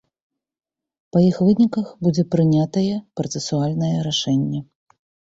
Па іх выніках будзе прынятае працэсуальнае рашэнне.